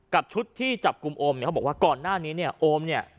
กับชุดที่จับกลุ่มโอมเนี่ยเขาบอกว่าก่อนหน้านี้เนี่ยโอมเนี่ย